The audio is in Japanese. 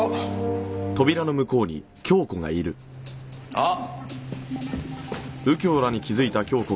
あっ！